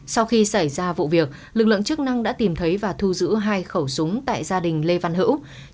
sau khi xảy ra vụ việc lực lượng chức năng đã tìm thấy và thu giữ hai khẩu súng tại gia đình lê văn hữu